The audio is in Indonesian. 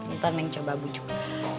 ntar neng coba bujuk